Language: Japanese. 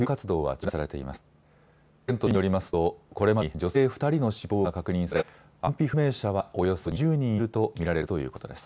県と市によりますと、これまでに女性２人の死亡が確認され安否不明者はおよそ２０人いると見られるということです。